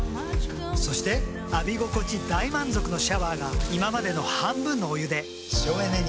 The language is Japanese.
そして浴び心地大満足のシャワーが今までの半分のお湯で省エネに。